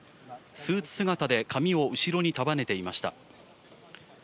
スーツ姿で髪を後ろに束ねていました。